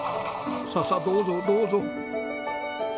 ささどうぞどうぞ。